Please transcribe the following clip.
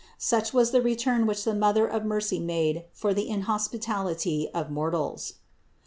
Such was the return which the Mother of mercy made for the inhos pitality of mortals.